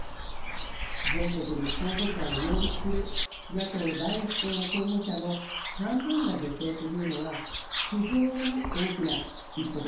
全国に候補者を擁立する野党第１党の候補者の半分が女性というのは非常に大きな一歩です。